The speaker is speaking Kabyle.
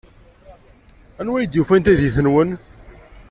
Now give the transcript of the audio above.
Anwa ay d-yufan taydit-nwen?